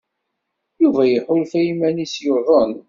Yuba iḥulfa i yiman-nnes yuḍen.